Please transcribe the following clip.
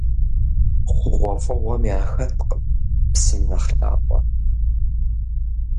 ХъугъуэфӀыгъуэм яхэткъым псым нэхъ лъапӀэ.